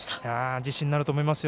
自信になると思いますよ。